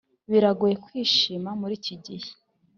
Biragoranye kwishima muri iki gihe